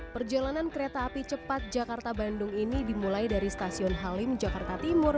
perjalanan kereta api cepat jakarta bandung ini dimulai dari stasiun halim jakarta timur